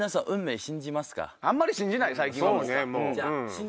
あんまり信じない最近は。